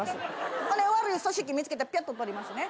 ほんで悪い組織見つけてピュッと取りますね。